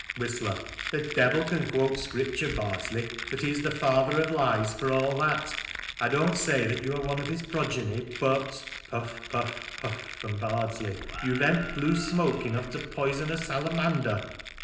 Whistler : The devil can quote Scripture, Bardsley, but he is the father of lies for all that I don't say that you are one of his progeny ; but {puff^ puf^ puff from Bardsley) you vent blue smoke enough to poison a salamander.